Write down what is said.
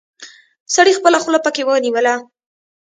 سړي خپله خوله پکې ونيوله.